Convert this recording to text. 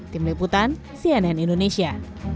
tim liputan cnn indonesia